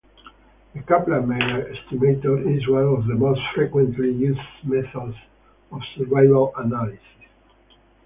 The Kaplan-Meier estimator is one of the most frequently used methods of survival analysis.